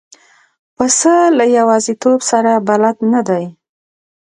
پسه له یوازیتوب سره بلد نه دی.